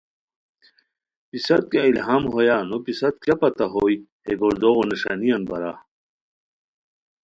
پِست کیہ الہام ہویا نو پِست کیہ پتہ ہوئے ہے گردوغو نݰانیان بارا؟